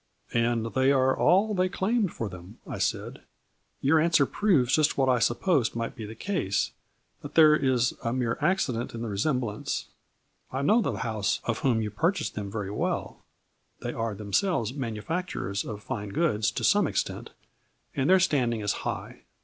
''" And they are all they claimed for them," I said. " Your answer proves just what I sup posed might be the case, that there is a mere accident in the resemblance. I know the house of whom you purchased them very well. They are themselves manufacturers of fine goods to some extent, and their standing is high.